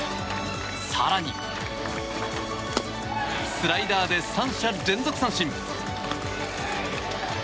更にスライダーで３者連続三振！